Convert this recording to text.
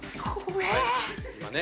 今ね